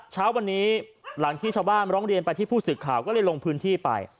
เช้าวันนี้หลังที่ชาวบ้านร้องเรียนไปที่ผู้สื่อข่าวก็เลยลงพื้นที่ไป